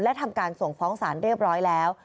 และทำการส่งฟ้องสารเรียบร้อยแล้ว